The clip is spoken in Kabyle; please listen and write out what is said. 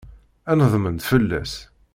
Ad nedment fell-as.